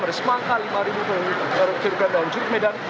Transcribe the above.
ada semangka lima per kilogram daun juruk medan